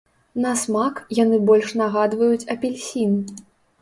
На смак яны больш нагадваюць апельсін.